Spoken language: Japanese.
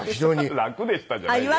「楽でした」じゃないよ。